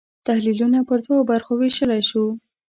تحلیلونه پر دوو برخو وېشلای شو.